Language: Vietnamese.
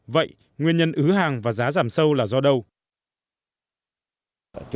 vậy nguyên nhân ứ hàng và giá giảm sâu là do đâu